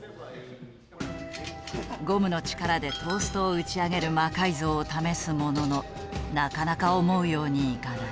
ゴムの力でトーストを打ち上げる魔改造を試すもののなかなか思うようにいかない。